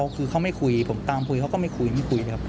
คือเขาไม่คุยผมตามคุยเขาก็ไม่คุยไม่คุยครับ